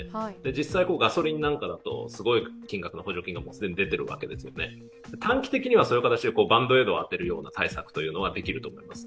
実際、ガソリンなんかだとすごい金額の補助金が既に出ているわけですので短期的にはバンドエイドを当てるような対策はできると思います。